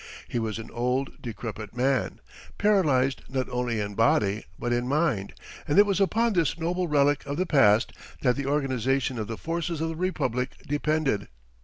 He was an old, decrepit man, paralyzed not only in body, but in mind; and it was upon this noble relic of the past that the organization of the forces of the Republic depended.